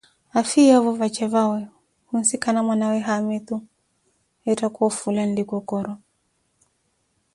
Afiyeevo vaje vawe khunsikana mwanawe haamitu eattaka ofula nlikokoro.